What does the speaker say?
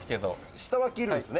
下は切るんすね。